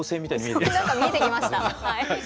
見えてきましたはい。